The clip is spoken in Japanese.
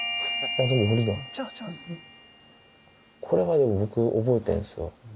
これはでも僕覚えてんですよ。